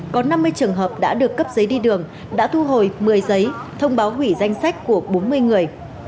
có năm mươi trường hợp đã được cấp giấy đi đường đã thu hồi một mươi giấy thông báo hủy danh sách của bốn mươi người